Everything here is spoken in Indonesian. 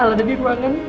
al al ada di ruangan